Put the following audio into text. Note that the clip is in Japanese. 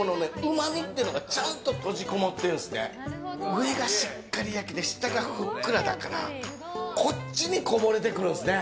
上がしっかり焼きで下がふっくらだからこっちにこぼれてくるんですね。